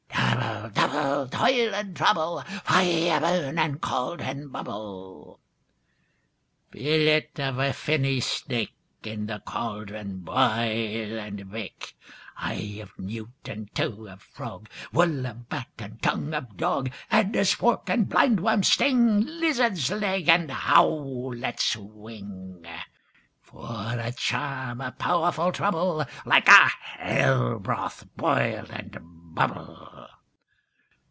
ALL. Double, double, toil and trouble; Fire, burn; and cauldron, bubble. SECOND WITCH. Fillet of a fenny snake, In the cauldron boil and bake; Eye of newt, and toe of frog, Wool of bat, and tongue of dog, Adder's fork, and blind worm's sting, Lizard's leg, and howlet's wing, For a charm of powerful trouble, Like a hell broth boil and bubble.